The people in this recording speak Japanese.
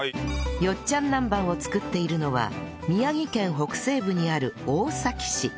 よっちゃんなんばんを作っているのは宮城県北西部にある大崎市